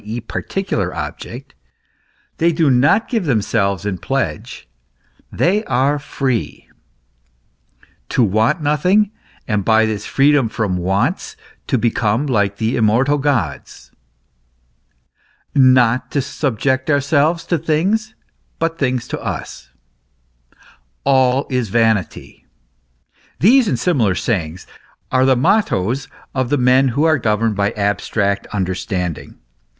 e., particular object; they do not give themselves in pledge; they are free. "To want nothing, and by this freedom from wants to become like the immortal Gods ;" "not to subject ourselves to things but things to us;' " all is vanity ;" these and similar sayings are the mottoes of the men who are governed by abstract understanding.